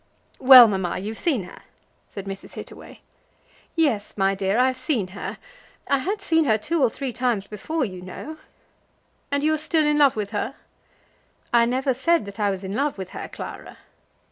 "Well, mamma, you've seen her?" said Mrs. Hittaway. "Yes, my dear; I've seen her. I had seen her two or three times before, you know." "And you are still in love with her?" "I never said that I was in love with her, Clara."